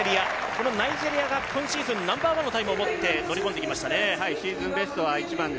この国が今シーズンナンバーワンのタイムを持って乗り込んできました。